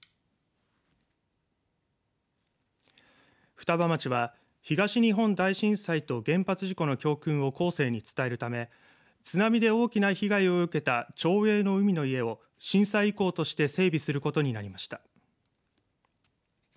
双葉町は東日本大震災と原発事故の教訓を後世に伝えるため津波で大きな被害を受けた町営の海の家を震災遺構として整備することになりました。